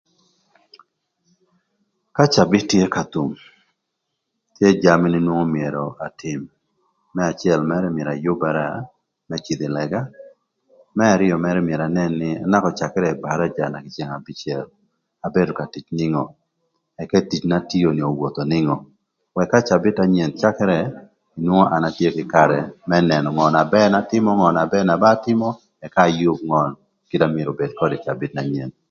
Ka cabït tye ka thum, tye jami na nwongo myero atïm. Më acël mërë myero ayübara më cïdhö ï lëga. Më arïö mërë myero anën nï anaka öcakërë kï baraja naka ï ceng abicël abedo ka tic nïngö ëka tic n'atio ni owotho nïngö ëka ka cabït na nyen cakërë nwongo an atye kï karë më nënö ngö na bër n'atïmö ngö na bër na ba atïmö ëka ayüb ngö kit na mïtö obed ködë ï cabït na nyen.